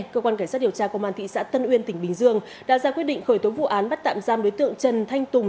cơ quan cảnh sát điều tra công an thị xã tân uyên tỉnh bình dương đã ra quyết định khởi tố vụ án bắt tạm giam đối tượng trần thanh tùng